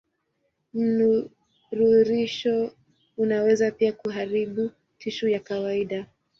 Mnururisho unaweza pia kuharibu tishu ya kawaida.